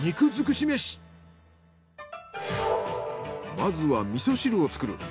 まずは味噌汁を作る。